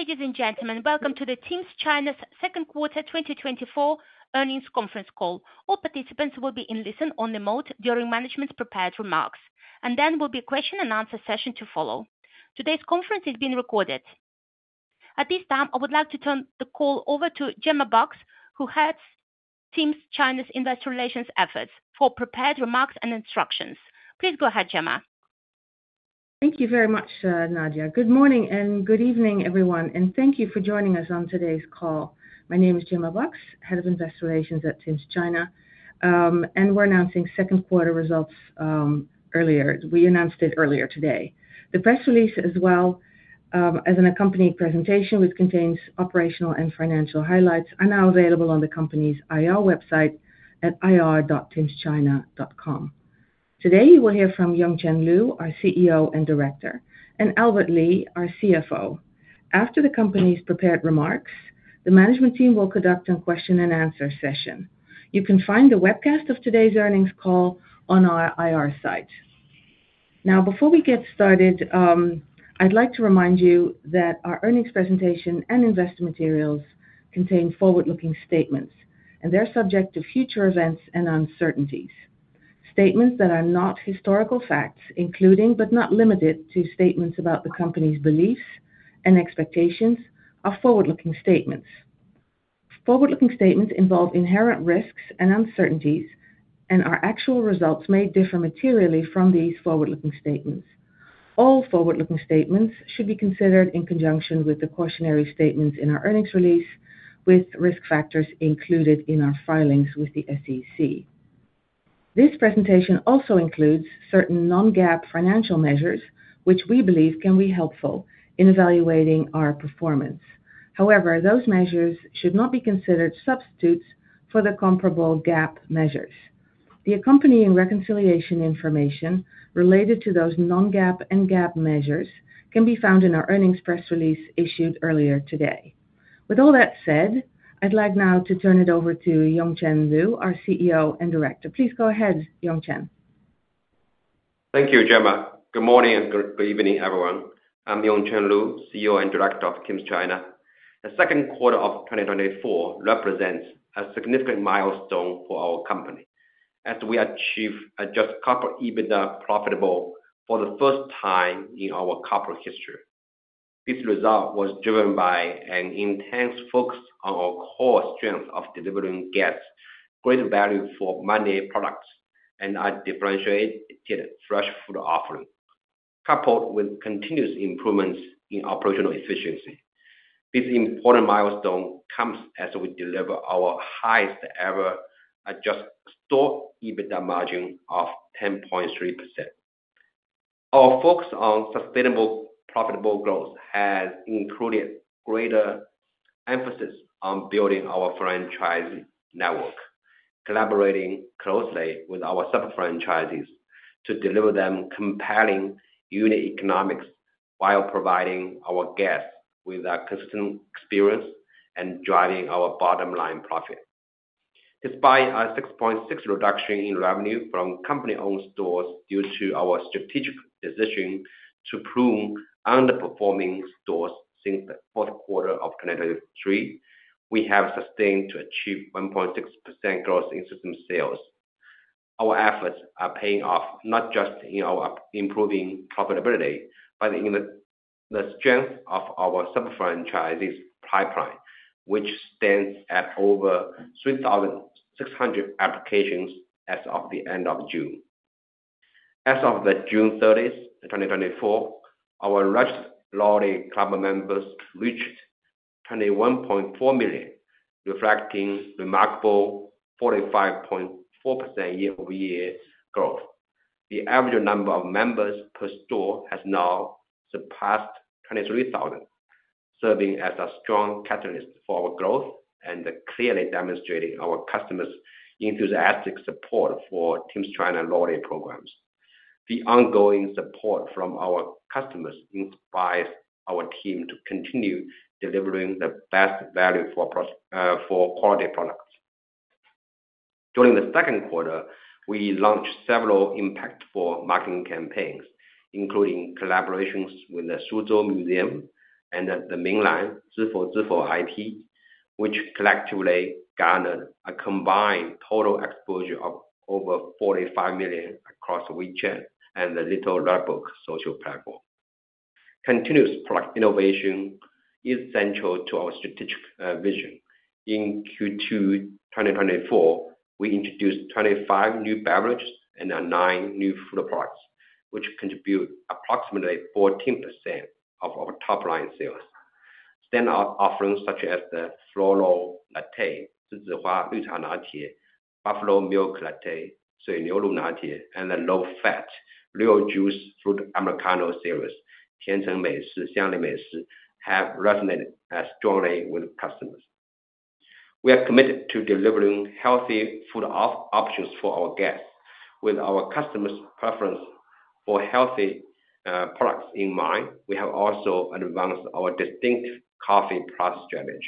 Ladies and gentlemen, welcome to the Tims China second quarter 2024 earnings conference call. All participants will be in listen-only mode during management's prepared remarks, and then there will be a question and answer session to follow. Today's conference is being recorded. At this time, I would like to turn the call over to Gemma Bakx, who heads Tims China investor relations efforts for prepared remarks and instructions. Please go ahead, Gemma. Thank you very much, Nadia. Good morning and good evening, everyone, and thank you for joining us on today's call. My name is Gemma Bakx, Head of Investor Relations at Tims China, and we're announcing second quarter results earlier. We announced it earlier today. The press release as well, as an accompanying presentation, which contains operational and financial highlights, are now available on the company's IR website at ir.timschina.com. Today you will hear from Yongchen Lu, our CEO and director, and Albert Li, our CFO. After the company's prepared remarks, the management team will conduct a question and answer session. You can find the webcast of today's earnings call on our IR site. Now, before we get started, I'd like to remind you that our earnings presentation and investor materials contain forward-looking statements, and they're subject to future events and uncertainties. Statements that are not historical facts, including but not limited to statements about the company's beliefs and expectations, are forward-looking statements. Forward-looking statements involve inherent risks and uncertainties, and our actual results may differ materially from these forward-looking statements. All forward-looking statements should be considered in conjunction with the cautionary statements in our earnings release, with risk factors included in our filings with the SEC. This presentation also includes certain non-GAAP financial measures, which we believe can be helpful in evaluating our performance. However, those measures should not be considered substitutes for the comparable GAAP measures. The accompanying reconciliation information related to those non-GAAP and GAAP measures can be found in our earnings press release issued earlier today. With all that said, I'd like now to turn it over to Yongchen Lu, our CEO and Director. Please go ahead, Yongchen. Thank you, Gemma. Good morning and good evening, everyone. I'm Yongchen Lu, CEO and Director of Tims China. The second quarter of 2024 represents a significant milestone for our company, as we achieve Adjusted Corporate EBITDA profitable for the first time in our corporate history. This result was driven by an intense focus on our core strength of delivering guests great value for money products and a differentiated fresh food offering, coupled with continuous improvements in operational efficiency. This important milestone comes as we deliver our highest ever Adjusted Store EBITDA margin of 10.3%. Our focus on sustainable, profitable growth has included greater emphasis on building our franchise network, collaborating closely with our sub-franchisees to deliver them compelling unit economics while providing our guests with a consistent experience and driving our bottom line profit. Despite a 6.6% reduction in revenue from company-owned stores due to our strategic decision to prune underperforming stores since the fourth quarter of 2023, we have sustained to achieve 1.6% growth in system sales. Our efforts are paying off, not just in our improving profitability, but in the strength of our sub-franchisees pipeline, which stands at over 3,600 applications as of the end of June. As of June thirtieth, 2024, our registered loyalty club members reached 21.4 million, reflecting remarkable 45.4% year-over-year growth. The average number of members per store has now surpassed 23,000, serving as a strong catalyst for our growth and clearly demonstrating our customers' enthusiastic support for Tims China loyalty programs. The ongoing support from our customers inspires our team to continue delivering the best value for quality products. During the second quarter, we launched several impactful marketing campaigns, including collaborations with the Suzhou Museum and the Minglan Zhifou IP, which collectively garnered a combined total exposure of over 45 million across WeChat and the Little Red Book social platform. Continuous product innovation is central to our strategic vision. In Q2 2024, we introduced 25 new beverages and nine new food products, which contribute approximately 14% of our top-line sales. Standout offerings such as the Floral Latte, Gardenia Green Tea Latte, Buffalo Milk Latte, Xinluo Latte, and the low-fat real juice fruit Americano series, Tiancheng Meishi, Xiangli Meishi, have resonated strongly with customers. We are committed to delivering healthy food options for our guests. With our customers' preference for healthy products in mind, we have also advanced our distinct coffee product strategy,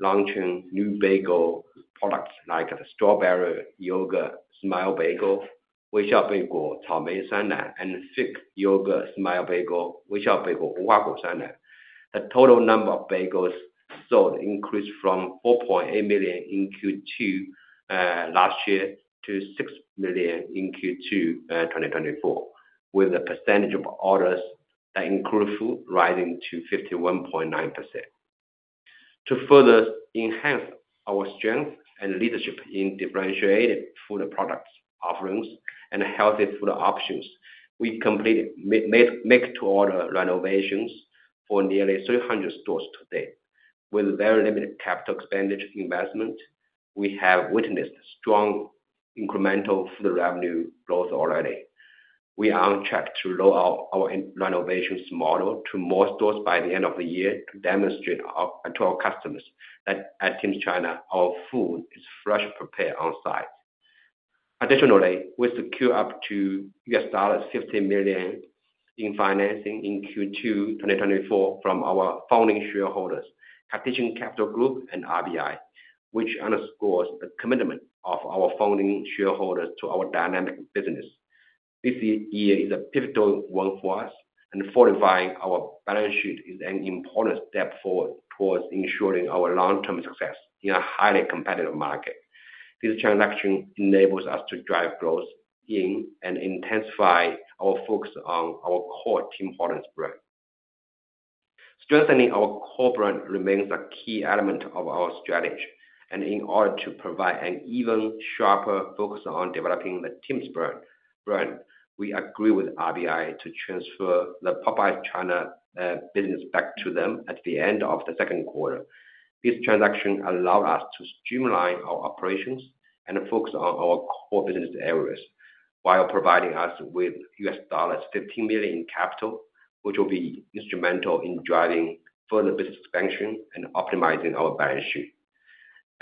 launching new bagel products like the Strawberry Yogurt Smile Bagel and Thick Yogurt Smile Bagel. The total number of bagels sold increased from 4.8 million in Q2 last year to 6 million in Q2 2024, with a percentage of orders that include food rising to 51.9%. To further enhance our strength and leadership in differentiated food products offerings and healthy food options, we completed make-to-order renovations for nearly 300 stores to date. With very limited capital expenditure investment, we have witnessed strong incremental food revenue growth already. We are on track to roll out our renovations model to more stores by the end of the year to demonstrate to our customers that at Tims China, our food is fresh prepared on site. Additionally, we secure up to $50 million in financing in Q2 2024 from our founding shareholders, Cartesian Capital Group and RBI, which underscores the commitment of our founding shareholders to our dynamic business. This year is a pivotal one for us, and fortifying our balance sheet is an important step forward towards ensuring our long-term success in a highly competitive market. This transaction enables us to drive growth in, and intensify our focus on our core Tim Hortons brand. Strengthening our core brand remains a key element of our strategy, and in order to provide an even sharper focus on developing the Tims brand, we agree with RBI to transfer the Popeyes China business back to them at the end of the second quarter. This transaction allow us to streamline our operations and focus on our core business areas, while providing us with $50 million in capital, which will be instrumental in driving further business expansion and optimizing our balance sheet.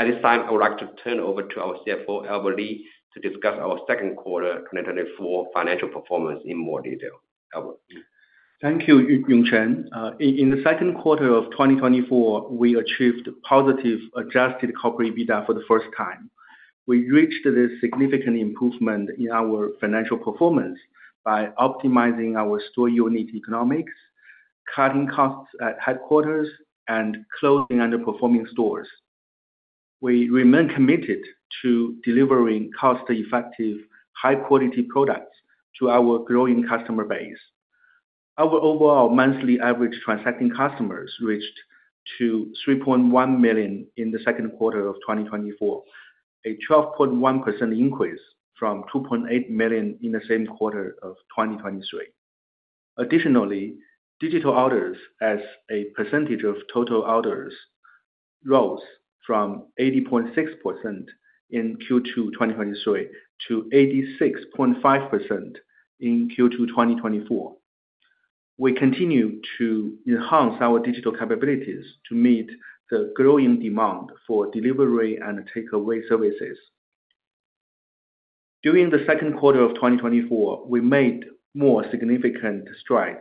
At this time, I would like to turn over to our CFO, Albert Li, to discuss our second quarter 2024 financial performance in more detail. Albert? Thank you, Yongchen Lu. In the second quarter of 2024, we achieved positive Adjusted Corporate EBITDA for the first time. We reached this significant improvement in our financial performance by optimizing our store unit economics, cutting costs at headquarters, and closing underperforming stores. We remain committed to delivering cost-effective, high-quality products to our growing customer base. Our overall monthly average transacting customers reached to 3.1 million in the second quarter of 2024, a 12.1% increase from 2.8 million in the same quarter of 2023. Additionally, digital orders as a percentage of total orders rose from 80.6% in Q2 2023 to 86.5% in Q2 2024. We continue to enhance our digital capabilities to meet the growing demand for delivery and takeaway services. During the second quarter of 2024, we made more significant strides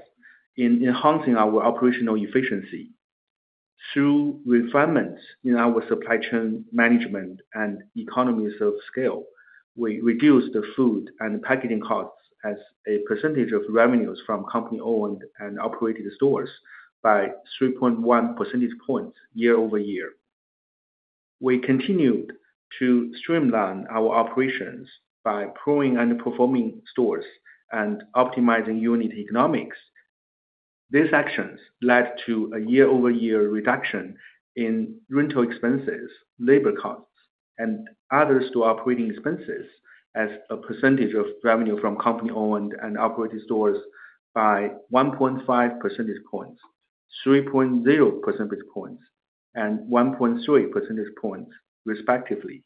in enhancing our operational efficiency. Through refinements in our supply chain management and economies of scale, we reduced the food and packaging costs as a percentage of revenues from company-owned and operated stores by 3.1 percentage points year over year. We continued to streamline our operations by pruning underperforming stores and optimizing unit economics. These actions led to a year-over-year reduction in rental expenses, labor costs, and other store operating expenses as a percentage of revenue from company-owned and operated stores by 1.5 percentage points, 3.0 percentage points, and 1.3 percentage points, respectively.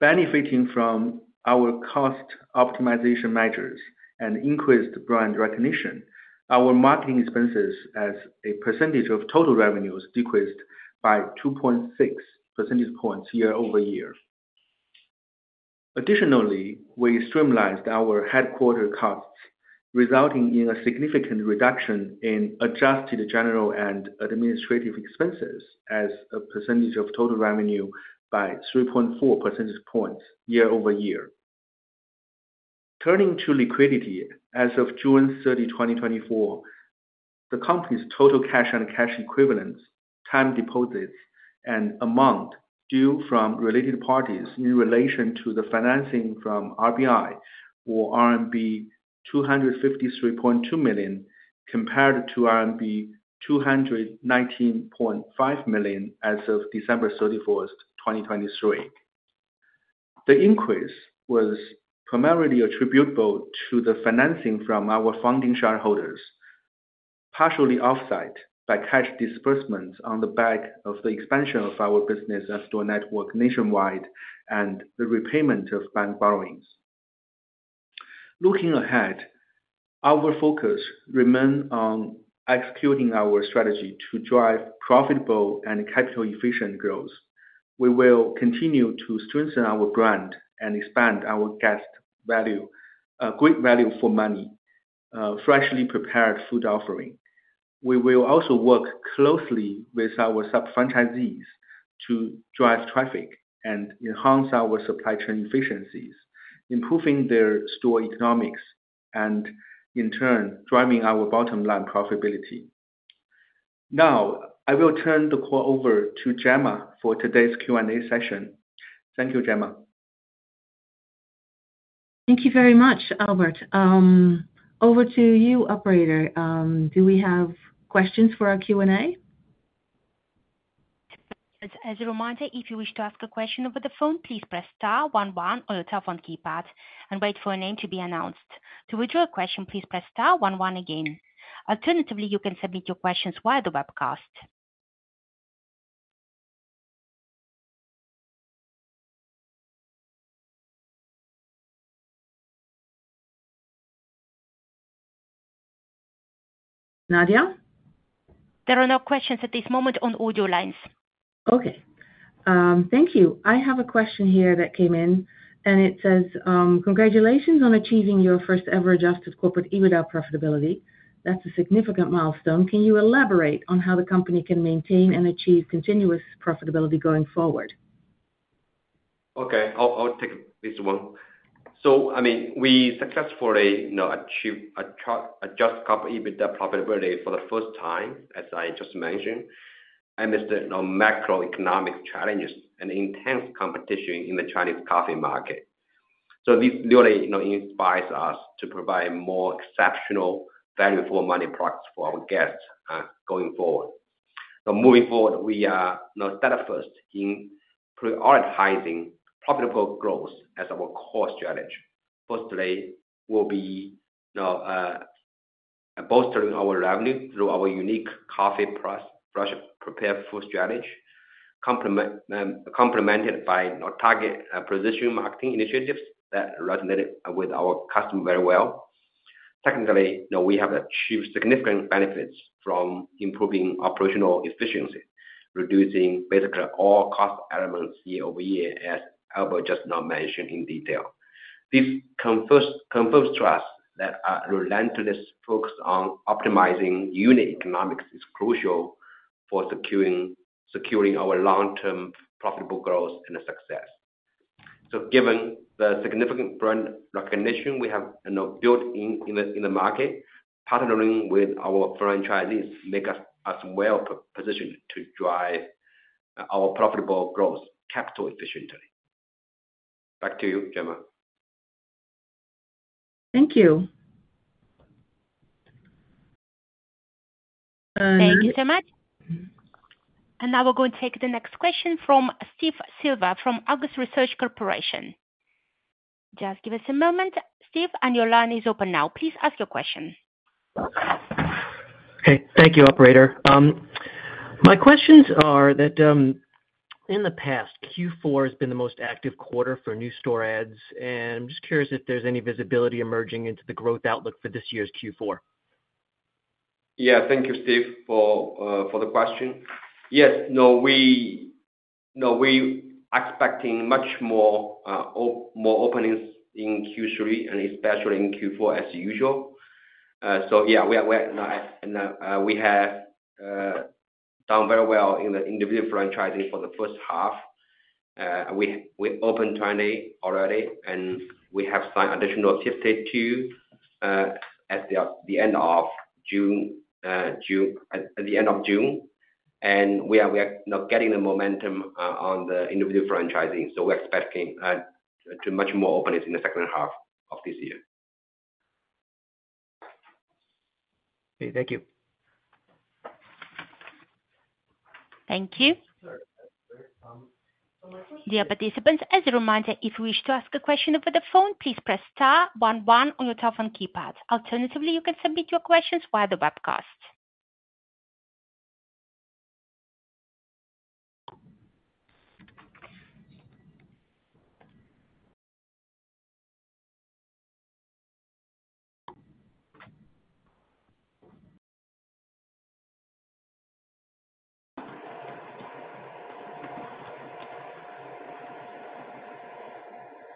Benefiting from our cost optimization measures and increased brand recognition, our marketing expenses as a percentage of total revenues decreased by 2.6 percentage points year over year. Additionally, we streamlined our headquarters costs, resulting in a significant reduction in Adjusted General and Administrative Expenses as a percentage of total revenue by 3.4 percentage points year over year. Turning to liquidity, as of June 30, 2024, the company's total cash and cash equivalents, time deposits, and amount due from related parties in relation to the financing from RBI, were RMB 253.2 million, compared to RMB 219.5 million as of December 31, 2023. The increase was primarily attributable to the financing from our founding shareholders, partially offset by cash disbursements on the back of the expansion of our business and store network nationwide and the repayment of bank borrowings. Looking ahead, our focus remain on executing our strategy to drive profitable and capital-efficient growth. We will continue to strengthen our brand and expand our guest value, great value for money.... freshly prepared food offering. We will also work closely with our sub-franchisees to drive traffic and enhance our supply chain efficiencies, improving their store economics, and in turn, driving our bottom line profitability. Now, I will turn the call over to Gemma for today's Q&A session. Thank you, Gemma. Thank you very much, Albert. Over to you, operator. Do we have questions for our Q&A? As a reminder, if you wish to ask a question over the phone, please press star one one on your telephone keypad and wait for your name to be announced. To withdraw your question, please press star one one again. Alternatively, you can submit your questions via the webcast. Nadia? There are no questions at this moment on audio lines. Okay. Thank you. I have a question here that came in, and it says: "Congratulations on achieving your first-ever Adjusted Corporate EBITDA profitability. That's a significant milestone. Can you elaborate on how the company can maintain and achieve continuous profitability going forward? Okay. I'll take this one. So I mean, we successfully, you know, achieved Adjusted Corporate EBITDA profitability for the first time, as I just mentioned, amidst the, you know, macroeconomic challenges and intense competition in the Chinese coffee market. So this really, you know, inspires us to provide more exceptional value for money products for our guests going forward. So moving forward, we are, you know, standing first in prioritizing profitable growth as our core strategy. Firstly, we'll be, you know, bolstering our revenue through our unique coffee plus fresh prepared food strategy, complemented by our target precision marketing initiatives that resonated with our customers very well. Secondly, you know, we have achieved significant benefits from improving operational efficiency, reducing basically all cost elements year over year, as Albert just now mentioned in detail. This confirms to us that our relentless focus on optimizing unit economics is crucial for securing our long-term profitable growth and success. So given the significant brand recognition we have, you know, built in the market, partnering with our franchisees make us well positioned to drive our profitable growth capital efficiently. Back to you, Gemma. Thank you. Thank you so much. And now we're going to take the next question from Steve Silver, from Argus Research Corporation. Just give us a moment, Steve, and your line is open now. Please ask your question. Okay. Thank you, operator. My questions are that, in the past, Q4 has been the most active quarter for new store ads, and I'm just curious if there's any visibility emerging into the growth outlook for this year's Q4? Yeah. Thank you, Steve, for the question. Yes. No, we expecting much more, more openings in Q3, and especially in Q4 as usual. So yeah, we are, we have done very well in the individual franchising for the first half. We opened 20 already, and we have signed additional 52 at the end of June. And we are now getting the momentum on the individual franchising, so we're expecting to much more openings in the second half of this year. Okay, thank you. Thank you. Dear participants, as a reminder, if you wish to ask a question over the phone, please press star one one on your telephone keypad. Alternatively, you can submit your questions via the webcast.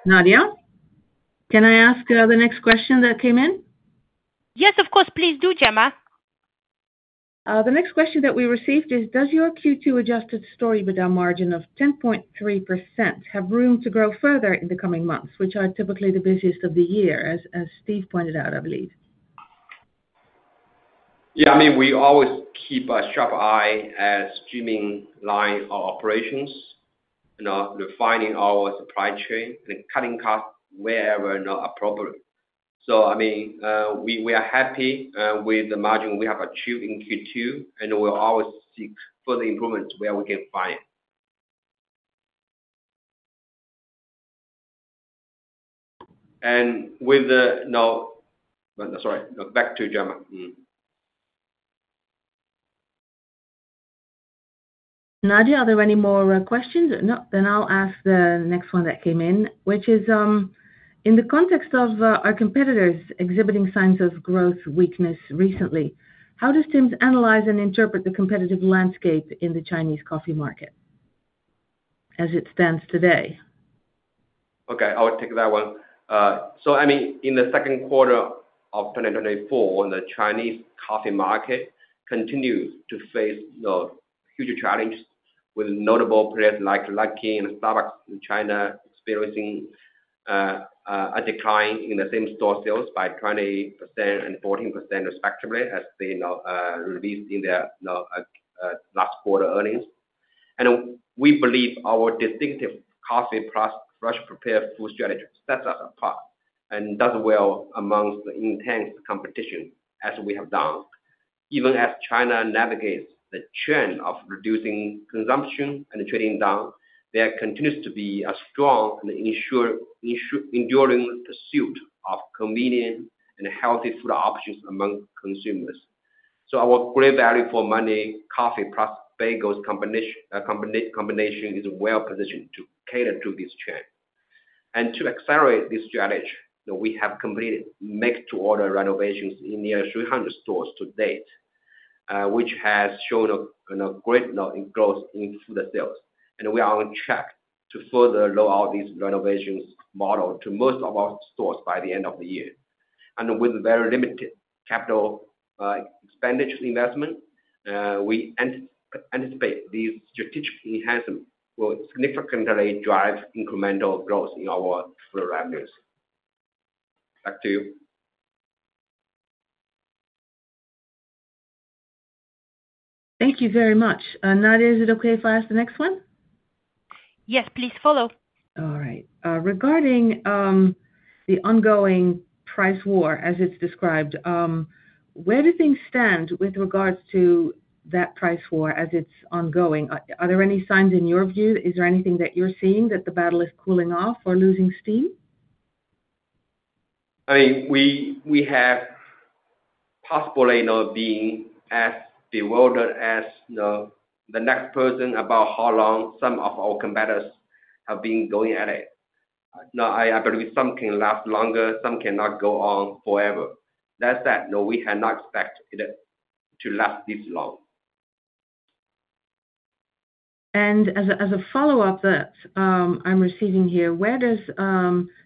Nadia, can I ask the next question that came in? Yes, of course. Please do, Gemma. The next question that we received is: Does your Q2 Adjusted Store EBITDA margin of 10.3% have room to grow further in the coming months, which are typically the busiest of the year, as Steve pointed out, I believe? Yeah, I mean, we always keep a sharp eye on streamlining our line of operations, you know, refining our supply chain and cutting costs wherever, you know, appropriate. So, I mean, we are happy with the margin we have achieved in Q2, and we'll always seek further improvements where we can find. And with the... Now, sorry, back to Gemma. Mm. Nadia, are there any more questions? No? Then I'll ask the next one that came in, which is: In the context of our competitors exhibiting signs of growth weakness recently, how does Tim's analyze and interpret the competitive landscape in the Chinese coffee market... as it stands today? Okay, I will take that one. So I mean, in the second quarter of 2024, the Chinese coffee market continued to face, you know, huge challenges with notable players like Luckin and Starbucks in China experiencing a decline in the same-store sales by 20% and 14% respectively, as they, you know, released in their, you know, last quarter earnings, and we believe our distinctive coffee plus fresh prepared food strategy sets us apart and does well amongst the intense competition, as we have done. Even as China navigates the trend of reducing consumption and trading down, there continues to be a strong and enduring pursuit of convenient and healthy food options among consumers, so our great value for money, coffee plus bagels combination is well positioned to cater to this trend. To accelerate this strategy, we have completed make-to-order renovations in nearly 300 stores to date, which has showed a, you know, great, you know, growth in food sales. We are on track to further roll out these renovations model to most of our stores by the end of the year. With very limited capital expenditure investment, we anticipate these strategic enhancements will significantly drive incremental growth in our food revenues. Back to you. Thank you very much. Nadia, is it okay if I ask the next one? Yes, please follow. All right. Regarding the ongoing price war, as it's described, where do things stand with regards to that price war as it's ongoing? Are there any signs in your view, is there anything that you're seeing that the battle is cooling off or losing steam? I mean, we have possibly, you know, being as bewildered as, you know, the next person about how long some of our competitors have been going at it. Now, I believe some can last longer, some cannot go on forever. That said, no, we had not expected it to last this long. As a follow-up that I'm receiving here, where does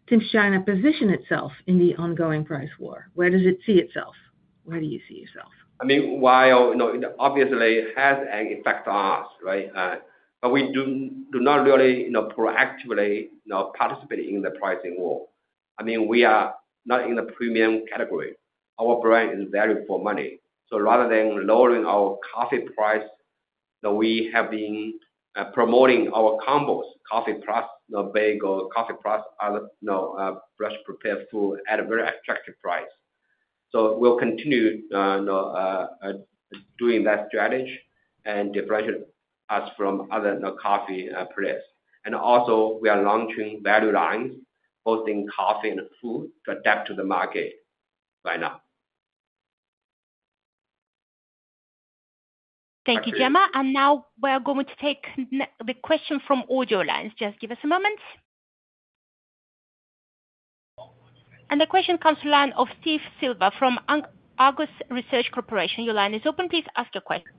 Tims China position itself in the ongoing price war? Where does it see itself? Where do you see yourself? I mean, while you know, obviously it has an effect on us, right? But we do not really, you know, proactively, you know, participate in the pricing war. I mean, we are not in the premium category. Our brand is value for money. So rather than lowering our coffee price, so we have been promoting our combos, coffee plus, you know, bagel, coffee plus other, you know, fresh prepared food at a very attractive price. So we'll continue, you know, doing that strategy and differentiate us from other, you know, coffee players, and also we are launching value lines, both in coffee and food, to adapt to the market right now. Thank you, Gemma. And now we're going to take the question from audio lines. Just give us a moment. And the question comes from the line of Steve Silver from Argus Research Corporation. Your line is open. Please ask your question.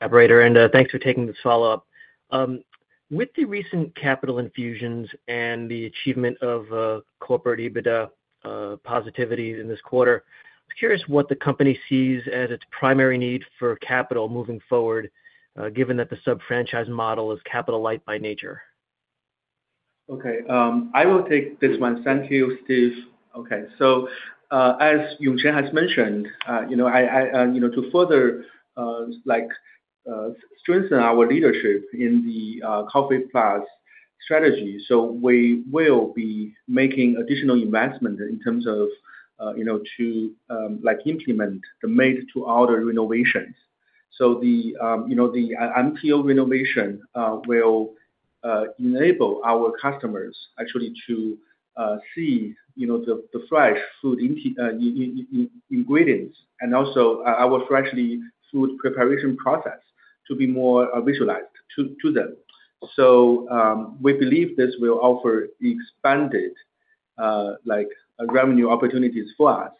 Operator, and thanks for taking this follow-up. With the recent capital infusions and the achievement of corporate EBITDA positivity in this quarter, I was curious what the company sees as its primary need for capital moving forward, given that the sub-franchise model is capital light by nature? Okay, I will take this one. Thank you, Steve. Okay. So, as Yongchen Lu has mentioned, you know, I, I, and, you know, to further, like, strengthen our leadership in the coffee plus strategy, so we will be making additional investment in terms of, you know, to, like, implement the made-to-order renovations. So the, you know, the MTO renovation, will enable our customers actually to see, you know, the, the fresh food ingredients, and also our fresh food preparation process to be more visualized to them. So, we believe this will offer expanded, like, revenue opportunities for us.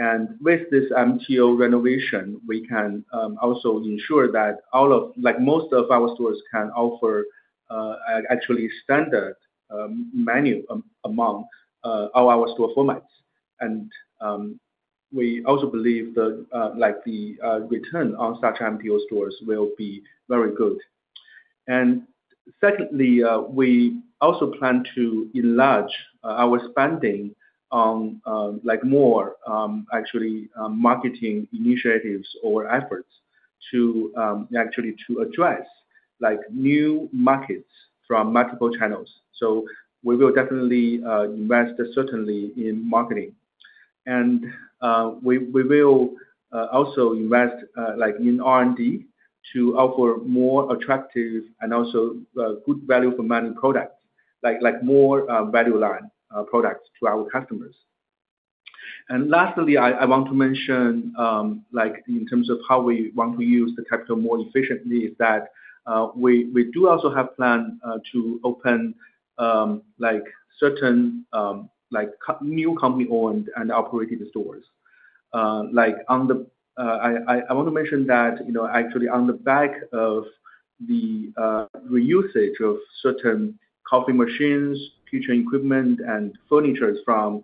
And with this MTO renovation, we can also ensure that all of, like, most of our stores can offer actually standard menu among all our store formats. And we also believe that, like, the return on such MTO stores will be very good. And secondly, we also plan to enlarge our spending on, like, more actually marketing initiatives or efforts to actually address, like, new markets from multiple channels. So we will definitely invest certainly in marketing. And we will also invest, like, in R&D to offer more attractive and also good value for money products, like more value line products to our customers. And lastly, I want to mention, like in terms of how we want to use the capital more efficiently, is that we do also have plan to open, like certain, like new company-owned and operated stores. I want to mention that, you know, actually on the back of the reuse of certain coffee machines, kitchen equipment, and furniture from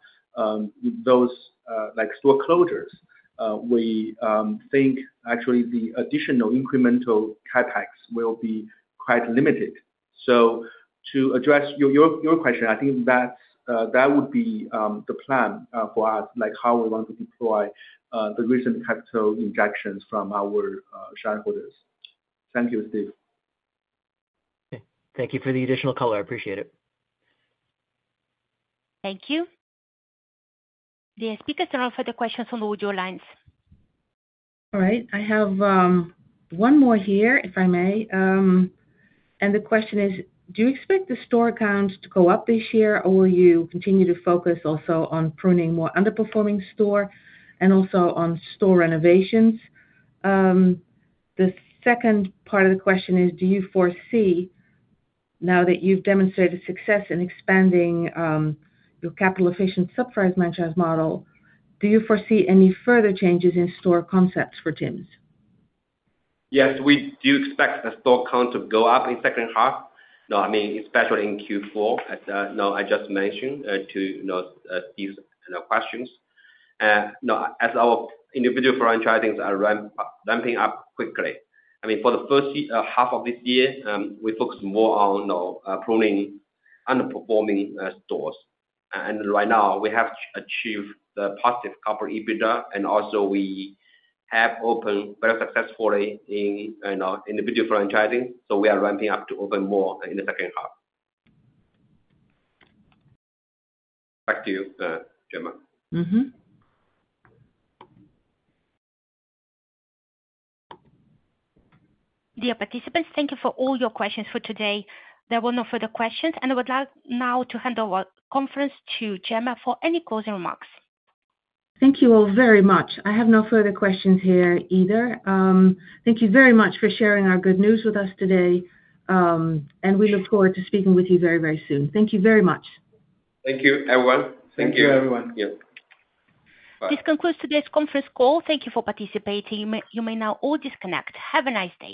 those, like, store closures, we think actually the additional incremental CapEx will be quite limited. So to address your question, I think that that would be the plan for us, like, how we want to deploy the recent capital injections from our shareholders. Thank you, Steve. Okay. Thank you for the additional color. I appreciate it. Thank you. The speakers are now for the questions from the virtual lines. All right. I have one more here, if I may, and the question is: Do you expect the store count to go up this year, or will you continue to focus also on pruning more underperforming store and also on store renovations? The second part of the question is, do you foresee, now that you've demonstrated success in expanding, your capital efficient sub-franchise model, do you foresee any further changes in store concepts for Tims? Yes, we do expect the store count to go up in second half. No, I mean, especially in Q4, as now I just mentioned to you, you know, these, you know, questions. You know, as our individual franchisings are ramping up quickly, I mean, for the first half of this year, we focused more on pruning underperforming stores, and right now, we have achieved the positive corporate EBITDA, and also we have opened very successfully in our individual franchising, so we are ramping up to open more in the second half. Back to you, Gemma. Mm-hmm. Dear participants, thank you for all your questions for today. There were no further questions, and I would like now to hand over the conference to Gemma for any closing remarks. Thank you all very much. I have no further questions here either. Thank you very much for sharing our good news with us today, and we look forward to speaking with you very, very soon. Thank you very much. Thank you, everyone. Thank you, everyone. Yep. Bye. This concludes today's conference call. Thank you for participating. You may now all disconnect. Have a nice day.